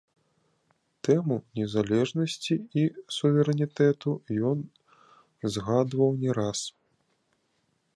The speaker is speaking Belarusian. Тэму незалежнасці і суверэнітэту ён згадваў не раз.